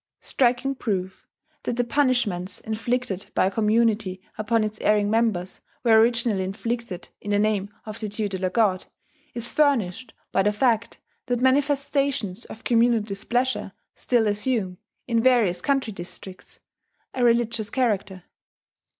Striking proof that the punishments inflicted by a community upon its erring members were originally inflicted in the name of the tutelar god is furnished by the fact that manifestations of communal displeasure still assume, in various country districts, a religious character.